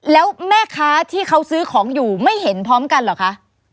แล้วแม่ค้าที่เขาซื้อของอยู่ไม่เห็นพร้อมกันเหรอคะ